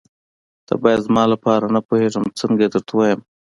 ته زما لپاره نه پوهېږم څنګه یې درته ووايم.